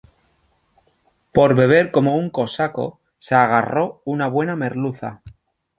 Por beber como un cosaco, se agarró una buena merluza